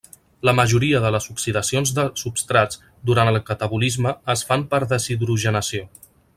La majoria de les oxidacions de substrats durant el catabolisme es fan per deshidrogenació.